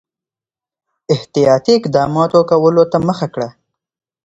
احتیاطي اقداماتو کولو ته مخه کړه.